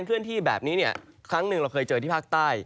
เคลื่อนที่แบบนี้เนี่ยครั้งหนึ่งเราเคยเจอที่ภาคใต้